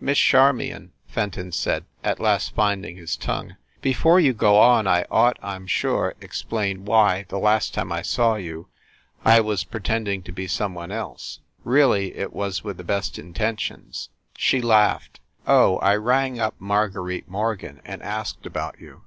"Miss Charmion," Fenton said, at last finding his tongue, "before you go on I ought, I m sure, ex plain why, the last time I saw you, I was pretending to be some one else. Really, it was with the best in tentions " She laughed. "Oh, I rang up Marguerite Mor gan and asked about you.